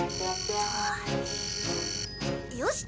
よし！